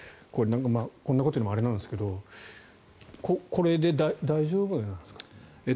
こんなことを言うのもあれなんですがこれで大丈夫なんですか？